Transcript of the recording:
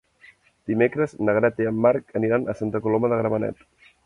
Dimecres na Greta i en Marc aniran a Santa Coloma de Gramenet.